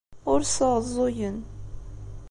Ur sɛuẓẓugen.